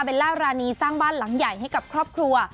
ล่ารานีสร้างบ้านหลังใหญ่ให้กับครอบครัว